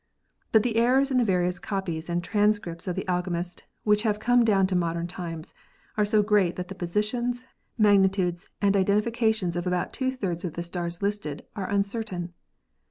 But the errors in the various copies and transcripts of the Almagest which have come down to modern times are so great that the positions, magnitudes and identifications of about two thirds of the stars listed are uncertain.